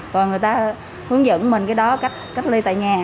và người ta hướng dẫn mình cái đó cách ly tại nhà